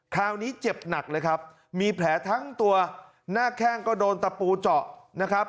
คราวนี้เจ็บหนักเลยครับมีแผลทั้งตัวหน้าแข้งก็โดนตะปูเจาะนะครับ